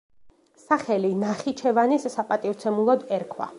სახელი ნახიჩევანის საპატივცემულოდ ერქვა.